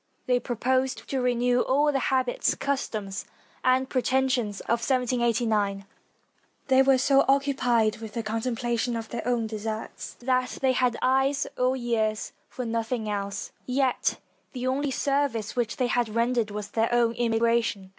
They proposed to renew all the hab its, customs, and pretensions of 1789. They were so occupied with the contemplation of their own deserts that they had eyes or ears for nothing else, yet the only service which they had rendered was their emi gration.